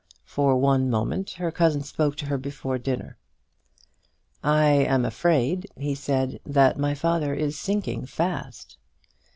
For one moment her cousin spoke to her before dinner. "I am afraid," he said, "that my father is sinking fast."